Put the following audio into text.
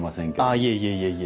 いえいえいえいえ。